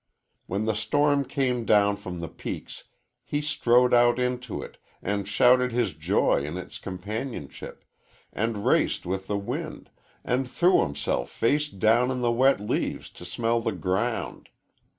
When the storm came down from the peaks, he strode out into it, and shouted his joy in its companionship, and raced with the wind, and threw himself face down in the wet leaves to smell the ground.